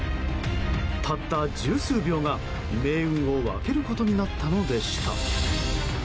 たった十数秒が、命運を分けることになったのでした。